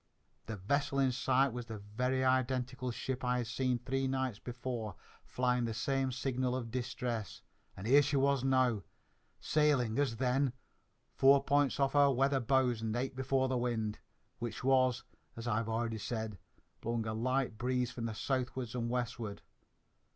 The vessel in sight was the very identical ship I had seen three nights before, flying the same signal of distress; and here she was now, sailing, as then, four points off our weather bows and eight before the wind, which was, as I've already said, blowing a light breeze from the southward and westward.